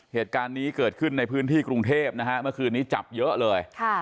เหตุการณ์นี้เกิดขึ้นในพื้นที่กรุงเทพนะฮะเมื่อคืนนี้จับเยอะเลย